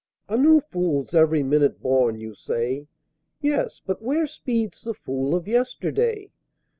A new Fool's every minute born, you say; Yes, but where speeds the Fool of Yesterday?